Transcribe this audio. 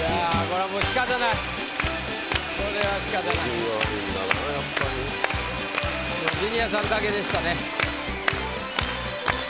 今日ジュニアさんだけでしたね。